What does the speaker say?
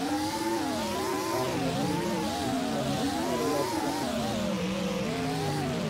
para la Niña está muy calurosa la sazón.